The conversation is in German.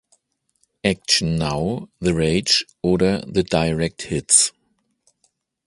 Action Now, The Rage oder The Direct Hits.